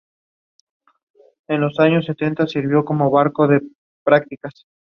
Allí fue reina de carnaval de la Escuela Simón Bolívar de esa misma localidad.